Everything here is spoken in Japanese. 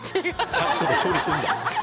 シャチとか調理するんだ。